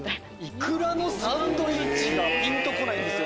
イクラのサンドイッチがピンとこないんですよ